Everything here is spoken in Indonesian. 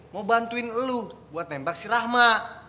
mau bantuin lu buat nembak si rahma